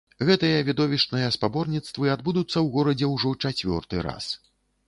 Гэтыя відовішчныя спаборніцтвы адбудуцца ў горадзе ўжо чацвёрты раз.